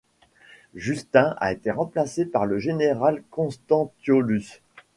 Justin a été remplacé par le général Constantiolus.